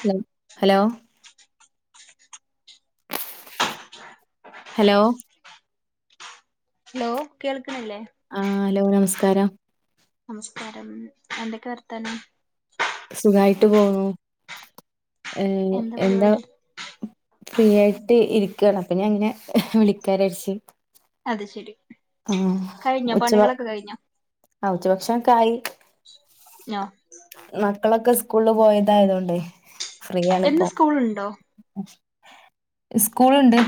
Hello hello hello hello കേൾക്കണില്ലേ ആ hello നമസ്കാരം നമസ്കാരം എന്തൊക്കെ വർത്താനം സുഖായിട്ട് പോണു ഏന് എന്താ ഫ്രീ ആയിട്ട് ഇരിക്കു ആണ് അപ്പ ഞാൻ ഇങ്ങനെ വിളിക്കാരരിച്ചു അത് ശരി ആ കഴിഞ്ഞോ ഉച്ച വ പണികളൊക്കെ കഴിഞ്ഞോ ആ ഉച്ചഭക്ഷൻ ക്കായി നോ മക്കളൊക്കെ സ്കൂളില് പോയതായതോണ്ട് ഫ്രീ എന്ന് ആണിപ്പൊ സ്കൂളുണ്ടോ സ്കൂളുണ്ട്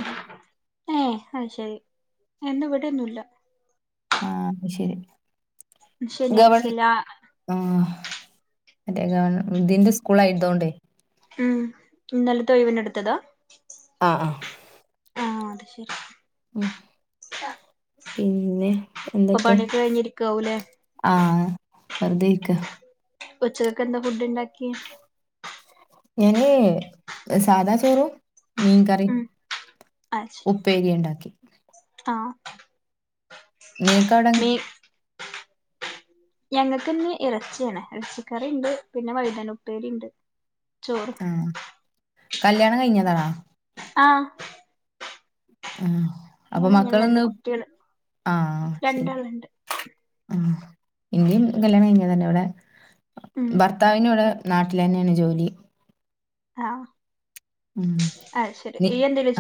ഏ അത് ശരി എന്ന വിടേന്നു ഇല്ല ആഹ് ശരി ഗവൺ ശനിയാഴ്ചല്ല ആഹ് മറ്റേ ഗവൺ ഇതിന്റെ സ്കൂളായതോണ്ടെ ഉം നല്ല തൊഴ്‌വനെടുത്തതാ ആഹ് ആഹ് ആഹ് അത് ശരി മ് പിന്നെ ഇപ്പൊ എന്തൊക്കെ പണിയൊക്കെ കഴിഞ്ഞിരിക്കാവൂല്ലേ ആഹ് വെറുതെ ഇര്ക്ക ഒച്ചതൊക്കെ എന്താ ഫുഡ് ഇണ്ടാക്കി ഞാനേ സാധാ ചോറും മീൻ കറീം ഉം ഉപ്പേരി ഒണ്ടാക്കി ആഹ് നീക്കവടങ്ങ് ഞങ്ങക്ക്ന്ന് എറച്ചിയാണ് ഇറച്ചിക്കറി ഇണ്ട് പിന്നെ വഴുതന ഉപ്പേരി ഉണ്ട് ചോറ് ആ കല്യാണം കഴിഞ്ഞതാണാ ആഹ് ആഹ് അപ്പൊ രണ്ട് മക്കളൊന്ന് കുട്ടികള് ആഹ ശരി രണ്ടാളുണ്ട് ആ ഇങ്കും കല്യാണം കഴിഞ്ഞ തന്നെ ഇവിടെ ഉം ഭർത്താവിന ഇവിടെ നാട്ടിൽ തന്നെയാണ് ജോലി ആഹ ഉ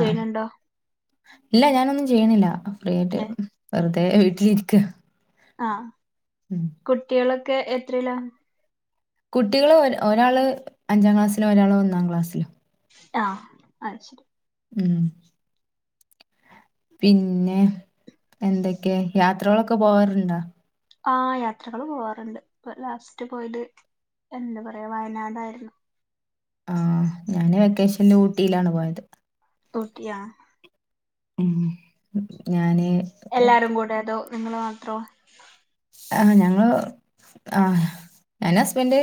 ആ ചെയ്യണുണ്ടോ ഇല്ല ഞാനൊന്നും ചെയ്യണില്ല ഫ്രീ ആയിട്ട് ഏ വെറുതെ വീട്ടിലിരിക്ക ആഹ ഉം കുട്ടികളൊക്കെ എത്രല്ല കുട്ടികള് ഒ ഒരാള് അഞ്ചാം ക്ലാസ്സിലോ ഒരാള് ഒന്നാം ക്ലാസ്സിലോ ആഹ അത് ശരി ഉം പിന്നെ എന്തൊക്കെയ യാത്രകളൊക്കെ പോവാറുണ്ടോ ആ യാത്രകള് പോവാറുണ്ട് ഇപ്പ ലാസ്റ്റ് പോയത് എന്താ പറയാ വയനാട്ായിരുന്നു ആഹ ഞാന് വെക്കേഷനിൽ ഊട്ടിയിലാണ് പോയത് ട്ടിയ ഉ ഞാന് എല്ലാരും കൂടെ അതോ നിങ്ങള് മാത്രോ ആ ഞങ്ങള് ആ ഞാന് ഹസ്ബൻഡ്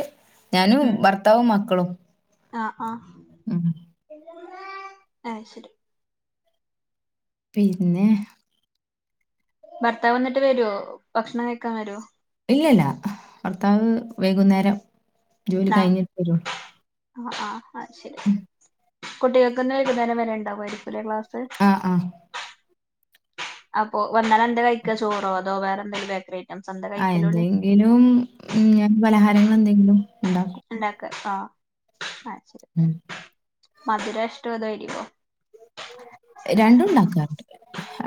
ഞാനും ഉം ഭർത്താവും മ ക്കളും ആ മ് ആ ശരി പിന്നെ ഭർത്താവ് വന്നിട്ട് വരുവോ ഭക്ഷണം കഴിക്കാ വരോ ഇല്ലല്ലാ ഭർത്താവ് വൈകുന്നേരം ജോലി കഴിഞ്ഞിട്ട് വരു ആ ആ ആ ശരി കുട്ടികൾക്ക്ന്ന് വൈകുന്നേരം വരെ ഉണ്ടാകുംമായിരിക്കു ല്ലേ ക്ലാസ് ആ ആ അപ്പൊ വന്നാല എന്താ കഴിക്ക ചോറോ അതോ വേറെ എന്തേലും ബേക്കറി ഐറ്റംസ് എന്താ ആ കഴിക്കല് ഓല് എന്തെങ്കിലും ഉ ഞാൻ പലഹാരങ്ങ എന്തെങ്കിലും ഇ ണ്ടാക്കും. ആഹ ആ ശരി മധുരാഷ്ട അതോ എരിവോ രണ്ടും ഉണ്ടാക്കാറുണ്ട്.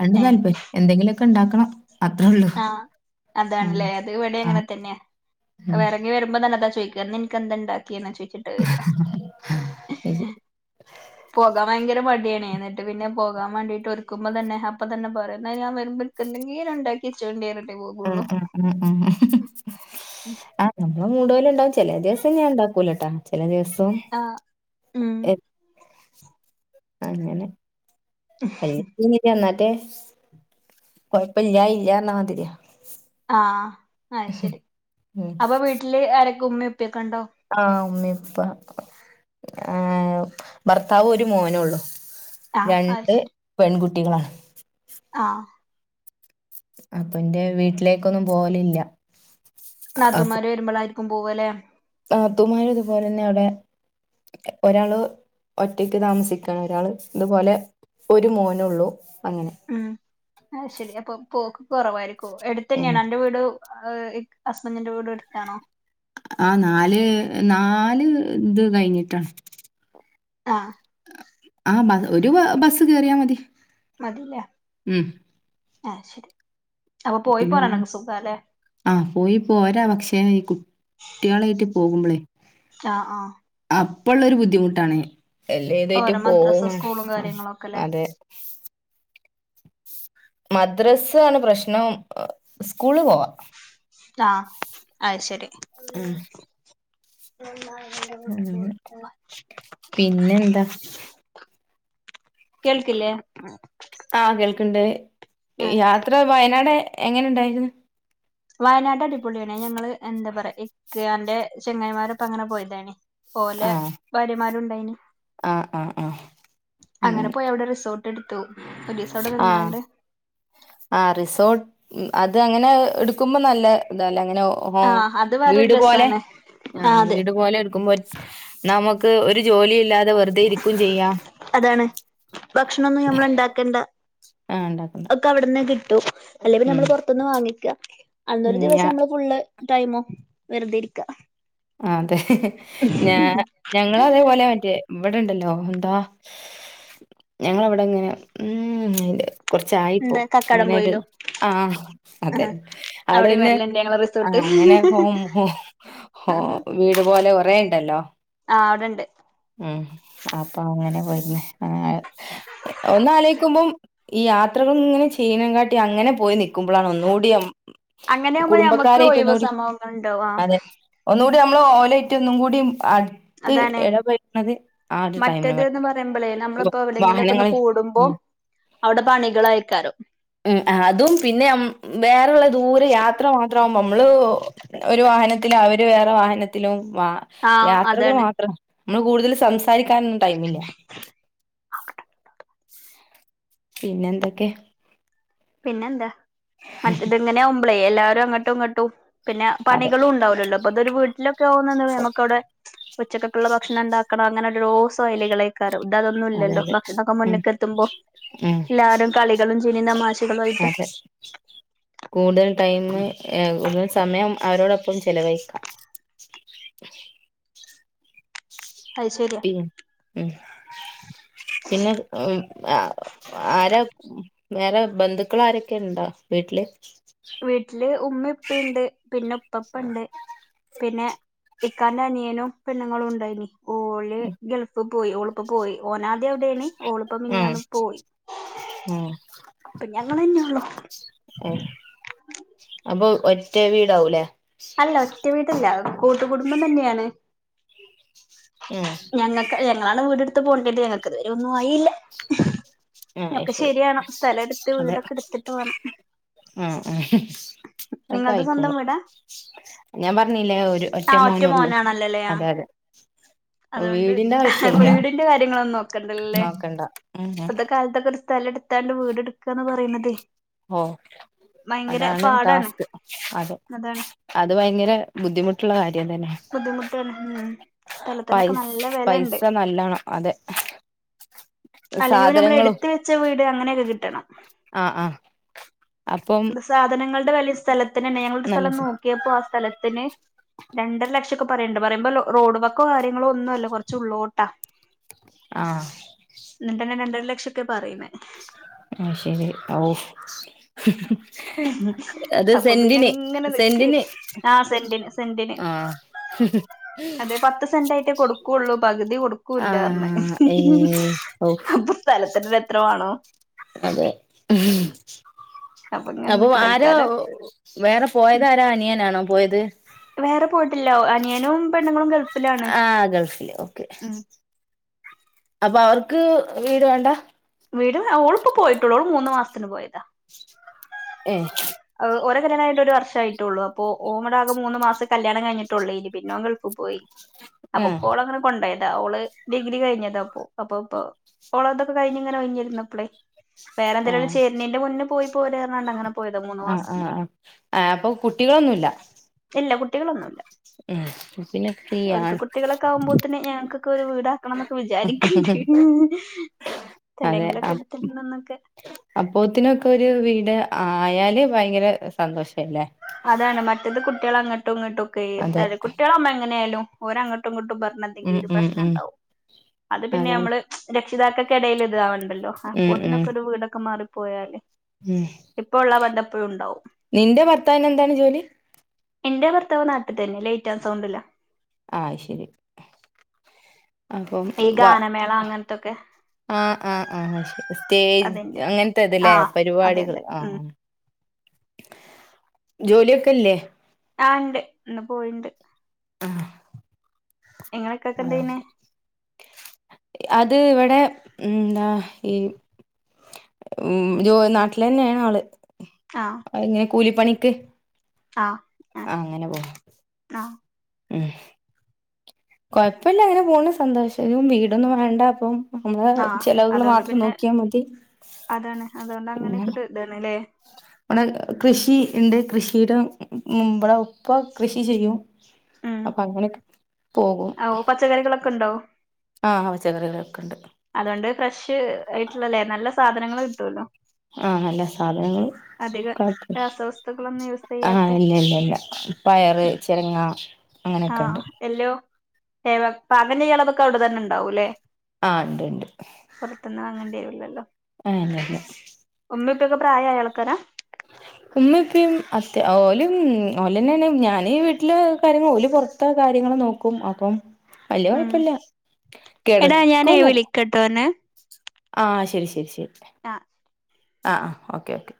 രണ്ടും താല്പര്യ എന്തെങ്കിലുമൊക്കെ ഇ ണ്ടാക്കണം. ആഹ അതാണല്ലേ അത് ഇവിടെ ആ അങ്ങനെ തന്നെയാ ഉം ഇറങ്ങി വരുമ്പോ തന്നെ അതാ ന്നി ൻക് എന്താ ഇണ്ടാക്കിയ ന്നാ ചോയ്ക്ക ശരി. പോകാൻ ഭയങ്കര മടിയാ ന്നട്ട് പിന്നെ പോകാൻ വേണ്ടീട്ട് ഒരുക്കുമ്പോ തന്നെ അപ്പൊ തന്നെ പറിം ന്നാ ഞാൻ വരുമ്പ ങ്കെതെങ്കിലും ഇണ്ടാക്കി യച്ചോണ്ടി റിം ഉം ഉം ഉം ഉം ആ ഞ മൂടു പോല ണ്ടാവും. ചെല ദിവസം ഞാൻ ഇണ്ടാക്കൂലട്ടാ. ചെല ദിവസം ആഹ് ഉം അങ്ങനെ കൊയ്പ്പല്യഇല്യ ർ ഞ്ഞ മാതിരി ആഹ ആ ശരി അപ്പൊ വീട്ടില് ആരക്കെ ഉമ്മിം ആ ഉമ്മിപ്പ ഏ ഭർത്താവ് ഒരു മോന ഉള്ളു ആഹ് അത് രണ്ട് ശരി പെൺകുട്ടികളാണ്. ആഹ് അപ്പൊന്റെ വീട്ടിലേക്കൊന്നും പോലില്ല നാത്തുമ്മാര് വരുമ്പോള ആയിരിക്കും പോവല്ലേ നാത്തൂമാര് ഇതുപോലെ തന്നെ അവിടെ ഒരാള് ഒറ്റക്ക് താമസിക്കാണ് ഒരാള് ഇതുപോലെ ഒരു മോനുള്ളൂ ഉം ആ ശരി അപ്പൊ പോക്ക് കൊ റവായിരിക്കോ ഉം എടുത്തന്നെയാണോ അന്റെ വീട് ഹസ്ബന്റിന്റെ വീടും എട്ത്താണോ ആ നാല് നാല് ഇത് കഴിഞ്ഞിട്ടാ ആ ആ ഒരു ബസ് കേറിയാ മതി. മതില്ലേ ഉം ആഹ ശരി അപ്പൊ പോയി പിന്നെ ഉമ്മീം പോരാനക്കെ സുഖാല്ലെ. ആഹ് പോയിപ്പോരാ പക്ഷേ ഈ കുട്ട്യാളായിട്ട് പോകുമ്പോളേ അ ആ ഇപ്പോ ഉള്ള ഒരു ബുദ്ധിമുട്ടാണ്. എല്ലാ ഇതായിട്ടും ഓരോ പോവും മദ്രസ സ്കൂളും വാണം കാര്യങ്ങളൊക്കെല്ലേ അതെ മദ്രസ് ആണ് പ്രശ്നം സ്കൂള് പോവാ ആഅ ശരി അ പിന്നെ ന്താ കേൾക്കില്ലേ ആഹ കേൾക്കണ്ട് ആഹ് യാത്ര വയനാടെ എങ്ങനെ ണ്ടായിരുന്നു വയനാട് അടിപൊളിയണേ ഞങ്ങള് എന്താ പറയാ ഇക്കാന്റെ ചെങ്ങായിമാരൊപ്പ അങ്ങനെ പോയതണ ഓലെ ഭാര്യമാരുണ്ടായിന് ആഹ ആഹ ആഹ ഉം ടുത്തു ഒരീസ അവ്ടെ നിന്നാണ്ട് ആഹ റിസോർട്ട് അത് അങ്ങനെ എടുക്കുമ്പോ നല്ല തല്ലേ അങ്ങനെ ആഹ് അത് വേറൊരു വീട് പോലെ രസാണ് ആ ആഹ് അതെ വീട് പോലെ എടുക്കുമ്പോ നമുക്ക് ഒരു ജോലില്ലാതെ വെറുതെ ഇരിക്കും ചെയ്യാം അതാണ് ഭക്ഷണൊന്നും ഞമ്മള് ഇണ്ടാക്കണ്ട ആഹ ഉണ്ടാക്കണ്ട കിട്ടോ അല്ലെ ഉം നമ്മൾ പുറത്തൊന്ന് വാങ്ങിക്ക അന്നൊരു ഉം ഞാ ദിവസം നമ്മള് ഫുള്ള് ടൈമോ വെറുതെരിക്ക ആ അതെ ഞ ഞങ്ങള അതേപോലെ മറ്റേ എവിടെണ്ടല്ലോ എന്താ ഞങ്ങളവിടെങ്ങനെ ഉല് കുറച്ചായിപ്പോ എന്താ കക്കാടം അങ്ങനെരു പോയിലോ ആഹ ആ അതെ അവിടെ അവിടെയും തന്നെ വരലുണ്ട് ഞങ്ങളെ ആഹ റിസോർട്ട് അങ്ങനെ വീട് പോോലെ കൊറെേ ഉണ്ടല്ലോ ആ അവിടെണ്ട് ആഹ അപ്പൊ അങ്ങനെ പോുന്ന ഒന്ന ആലചക്കുമ്പോം ഈ യാത്രകൾ ഇങ്ങനെ ചെയ്യ ചീനകാട്ടി അങ്ങനെ പോയി നൽക്കുമ്പോഴാണ് ഒന്നുകൂടിയ അങ്ങനെയാകുമ്പോ ഞമ്മക്ക് കുടുംബക്കാരായിട്ട ഒഴിവ് ഒന്നുകൂടി സംഭവങ്ങൾ ഉണ്ടാവും ആ അതെ ഒന്ന നമ്മ ഓലറ്റ ഒന്നും കൂടി അടു അതാണ് മറ്റേത് പറയുമ്പളേ നമ്മളിപ്പോ എവിടെയെങ്കിലൊക്കെ ഒന്ന് വാഹനങ്ങളിൽ കൂടുമ്പോ ഉം അവിടെ പണികൾ അയക്കാരോ ഉ അതും പിന്നെ വേറെള്ള ദൂരെ യാത്ര മാത്രമാവുമ്പോ നമ്മള് ഒരു വാഹനത്തിലും അവര് വേറെ വാഹനത്തിലും വ ആ യാത്രകൾ അതാണ് മാത്രം നമ്മള് കൂടുതൽ സംസാരിക്കാനൊന്നും ടൈമില്ല പിന്നെ എന്തൊക്കെ പിന്നെന്താ മറ്റത്ങ്ങനെ ഒ്പളേ എല്ലാരും അങ്ങോട്ടും ഇങ്ങോട്ടും പിന്നെ അതെ പണികളും ഉണ്ടാവല്ലോ അപ്പൊ അതൊരു വീട്ടിലൊക്കെ ആകുന്ന നമുക്ക അവിടെ ഉച്ചക്കുള്ള ഭക്ഷണം ഉണ്ടാക്കണം അങ്ങനെ രോസോ അലികളൊക്കെ ഇ അതൊന്നും അതെ ഇല്ലല്ലോ അതെ ഭക്ഷണൊക്കെ ഉം മുന്നക്ക എത്തുമ്പോ ഉം എല്ലാരും കളികളും ചിരിയും തമാശ അതെ കൂതൽ ടൈമ ഒ സമയം അവരോടൊപ്പം ചെലവഴിക്കാം അത് ശരിയാ ഉം ഉം പിന്നെ ആരാ വേറെ ബന്ധുക്കൾ ആരൊക്കെ ഉണ്ടോ വീട്ട ൽ വീട്ടില് ഉമ്മിപ്പുണ്ട് പിന്നെ ഇപ്പപ്പുണ്ട് പിന്നെ ഇക്കാന്റെ അനിയനും പെണ്ണുങ്ങളും ഉണ്ടായിനി ഓല് ഉം ഗൾഫ് പോയി ഓളിപ്പ പോയി ഓനാദ്യ എവിടേനി ഓളിപ്പ മിനിയാന്ന് പോയി ഉം ഇപ്പൊ ഞങ്ങളന്നെയൊള്ളു ഉം അപ്പൊ ഒറ്റ വീടാവൂലേ അല്ല ഒറ്റ വീടല്ല കൂട്ടുകുടുംബം തന്നെയാണ് ഉം ഞങ്ങക്ക അ് ഞങ്ങളാണ് വീടെടുത്ത് പോണ്ടിയത് ഞങ്ങക്കിതുവരെ ഒന്നും ആയീല്ല ആ ഒക്കെ ശരി ശരിയാണം സ്ഥലെടുത്ത് വീടൊക്കെടുത്തിട്ട് വേണം ആഹ് ആഹ് നിങ്ങൾത് സ്വന്തം വീടാ ഞാമ്പറഞ്ഞില്ലേ ഒരു ഒറ്റ ആ മോനൊള്ളൂ മോനാണല്ലോല്ലേ ആ അതെയതെ അതുകൊണ്ട് വീടിന്റ കാര്യങ്ങളൊന്നോക്കണ്ടല്ലേ നോക്കണ്ട ഉം ഇപ്പത്തക്കാ ലത്തക്കൊരു ഒരു സ്ഥലെട്ത്താണ്ട് വീടെടുക്കാന്ന് പറയ്ണതേ ഓ അതാണ് പാടാണ് ടാസ്ക് അതെ അതാണ് അത് വയങ്കര ബുദ്ധിമുട്ടുള്ള കാര്യം തന്നെ ബുദ്ധിമുട്ടാണ് ഉം സ്ഥലത്തിനൊക്കെ പൈസ നല്ല വെലെണ്ട് പൈസ നല്ലണം അതെ അല്ലെങ്കി സാധനങ്ങളും പിന്നെയമ്മളെടുത്ത് വെച്ച വീട് അങ്ങനെയൊക്കെ കിട്ടണം ആഹ് ആഹ് അപ്പം എന്ത് സാധനങ്ങൾ ട വെലയും സ്ഥലത്തിനന്നെ ഞങ്ങളൊരു നല്ല സ്ഥലം സ നോക്കിയപ്പൊ ആ സ്ഥലത്തിന് രണ്ടര ലക്ഷൊക്കെ പറയണ്ട് പറയുമ്പോ ലോ റോഡ് വക്കോ കാര്യങ്ങളോ ഒന്നു അല്ല കൊറച്ച് ഉള്ളോട്ടാ ആഹ് എന്നിട്ടന്നെ രണ്ടര ലക്ഷൊക്കേ പറയ്ണേ ആഹ് ശരി ഔ അപ്പൊ പിന്നിങ്ങനെ നിക്ക്ഏണ് സെന്റിന് ആഹ് സെന്റിന് സെന്റിന് ആഹ് അതെ പത്ത് സെൻ്റായിട്ടേ കൊടുക്കുവൊള്ളൂ പകുതി കൊടുക്കൂല്ല അറഞ്ഞ് ആഹ് ഏഹ് ഓ അപ്പൊ സ്ഥലത്തിനന്നെ എത്ര വാണോ അതെ അപ്പൊ ഇങ്ങനെ അപ്പോ നിക്ക് ആരോ തൽക്കാലം വേറെ പോയതാരാ അനിയനാണോ പോയത് വേറെ പോയിട്ടില്ലാ ഓ അനിയനും പെണ്ണുങ്ങളും ഗൾഫ് ആഹ് ഗൾഫില് ഓക്കെ അപ്പൊ അവർക്ക് വീട് വേണ്ടാ വീട് ആഹ് ഓളിപ്പ പോയിട്ടൊള്ളൂ ഓള് മൂന്ന് മാസത്തിന് പോയതാ ഏഹ് ഓര കല്യാണ കഴിഞ്ഞിട്ടൊരു വർഷായിട്ടൊള്ളൂ അപ്പൊ ഓൻവടെ ആകെ മൂന്ന് മാസെ കല്യാണം കഴിഞ്ഞിട്ടൊള്ളേനി പിന്നെ ഓൻ ഗൾഫ് പോയി ആഹ് അപ്പുപ്പോളങ്ങനെ കൊണ്ടോയത് ആ ഓള് ഡിഗ്രി കഴിഞ്ഞതാപ്പോ അപ്പൊ ഇപ്പോ ഓളതൊക്ക കഴിഞ്ഞിങ്ങനെ ഒഴിഞ്ഞിരുന്നപ്പളെ വേറെ എന്തിനേലും ആഹ് ചേര്ണേന്റ മുന്നേ പോയി പോരാറഞ്ഞാണ്ടങ്ങനെ പോയത് ആഹ് ആഹ് ആഹ് ആ അപ്പൊ കുട്ടികളൊന്നുല്ല കുട്ടികളൊന്നുവില്ല ഉം പിന്നെ ഓല്ക്ക് ഫ്രീയാണ് കുട്ടികളൊക്കാവുമ്പോത്തിന് ഞങ്ങ്ക്കക്കൊരു വീടാക്കണംന്നൊക്കെ വിചാരിക്ക്ണ്ട് ഇൻ അതേ അപ് അപ്പോത്തിനൊക്കൊരു വീട് ആയാല് വയങ്കര സന്തോഷല്ലേ അതാണ് മറ്റത് കുട്ടികളങ്ങട്ടു ഇങ്ങട്ടു ഒക്കേ അതെ തല കുട്ടികളാവുമ്മെങ്ങനേയാലും ഓരങ്ങട്ടുങ്ങട്ടു ട്ടും ഉം പറഞ്ഞെന്തെങ്കീലും ഉം ഉം പ്രശ്നണ്ടാവും അത് അതാണ് പിന്നെയമ്മള് രക്ഷിതാക്കക്കെടേല് ഇത് ആവൺ ഇണ്ടല്ലോ ഉം ഉം അപ്പോത്തിനൊക്കൊരു വീടൊക്ക മാറിപ്പോയാല് ഉം ഇപ്പോ ഉള്ളാ ബന്ധെപ്പഴുണ്ടാവും ത്താവിനെന്താണ് ജോലി എന്റെ ഭർത്താവ് നാട്ടിത്തന്നെ ലൈറ്റാൻ സൗണ്ട്ല ആഹ് അയ്ശരി അപ്പം ഈ വാ ഗാനമേള അങ്ങനത്തൊക്കെ ആഹ് ആഹ് ആഹ് ശ സ് േ അതെന്റെ അങ്ങനത്തെ ഇതല്ലേ ആഹ് അതെ പരിപാടികൾ അതെ ആഹ ഉം ജോലിയൊക്കെല്ലേ ആഹ ഇണ്ട് ഇന്ന് പോയിണ്ട് ആ നിങ്ങളെക്കാക്ക ആഹ എന്ത് ചെയ്യണേ അ അത് ഇവിടെ എന്താ ഈ ഉ ജോ നാട്ടിൽ തന്നെയാണ് ആള് ആഹ കൂലിപ്പണിക്ക് ആഹ് ആഹ അങ്ങനെ പോവാ ആഹ് ഉം കൊഴപ്പമില്ല അങ്ങനെ പോകണ സന്തോഷം വീടൊന്നും വേണ്ട അപ്പം നമ്മള് ആഹ് ചെലവുകൾ അതുകൊണ്ട് മാത്രം പിന്നെ നോക്കിയാ മതി അതാണ് അതുകൊണ്ട് പിന്നെ അങ്ങനെയൊക്കെ ഒരു ഇതാണ്ല്ലേ നടെ കൃഷി ഉണ്ട് കൃഷിുടെ മുമ്പടെ ഒപ്പ കൃഷി ചെയ്യും ഉം അപ്പൊങ്ങനക്ക് പച്ചക്കറികളൊക്കെ ഉണ്ടാവ ആഹ അവച്ചകറികളൊക്കെ ഉണ്ട് അതുകൊണ്ട് ഫ്രഷ് ആയിട്ടുള്ളല്ലേ നല്ല സാധനങ്ങള്ൾ കിട്ടുവല്ലോ ആഹ നല്ല സാധനങ്ങളും അധികം കട്ട രാസവസ്തുക്കളൊന്നും യൂസ് ആഹ് ചെയ്യാത്തെ ഇല്ല ഇല്ല ഇല്ല പയറ് ചിരങ്ങ ആഹ എല്ലയോവ അങ്ങന ഇളവൊക്കെ അവിടെ തന്നെ ഉണ്ടാവൂല്ലേ ആഹ് ഇണ്ട് പുറത്തന്നും വാങ്ങേണ്ടി വരല്ലല്ലോ ആണതെ ഉമ്മിപ്പൊക്കെ പ്രായമായയാൾക്കാരാ അ ഉമ്മ ഇപ്പം അത്യാ ഓലും ഓലന്നെയാണ് ഞാൻ വീട്ടില് കാര്യങ്ങ ഓല പുൊറത്ത കാര്യങ്ങ െ നോക്കും അപ്പം അല്ലേ ഉം കൊഴപ്പില്ല എടാ ഞാനേ കിടക്കന്നല്ല വിളിക്കട്ടോ അന്നെ ആ ശരി ശരി ശരി ആ ആ ആ ഓക്കെ ഓക്കെ